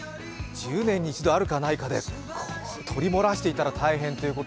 １０年に一度あるかないかで撮り漏らしていたら大変。